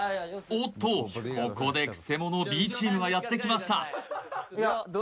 おっとここでくせ者Ｂチームがやってきました